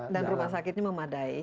dan rumah sakitnya memadai